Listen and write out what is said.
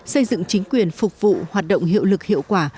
xây dựng chính quyền phục vụ hoạt động hiệu lực hiệu quả